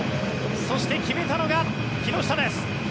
そして決めたのが木下です。